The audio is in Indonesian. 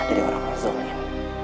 dari orang yang zonin